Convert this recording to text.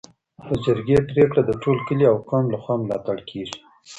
د جرګې پریکړه د ټول کلي او قوم لخوا ملاتړ کيږي.